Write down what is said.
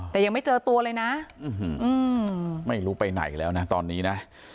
แต่ยังไม่เจอตัวเลยนะไม่รู้ไปไหนแล้วนะตอนนี้นะ